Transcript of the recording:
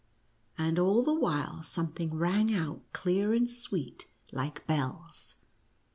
And all the while something rang out clear and sweet like little bells.